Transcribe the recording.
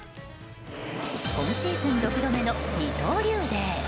今シーズン６度目の二刀流デー。